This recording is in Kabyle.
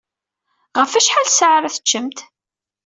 Ɣef wacḥal ssaɛa ara teččemt?